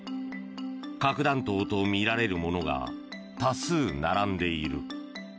核弾頭とみられるものが多数並んでいる。